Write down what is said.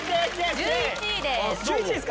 １１位ですか。